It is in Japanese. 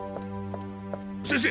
先生！